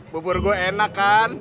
bubur gue enak kan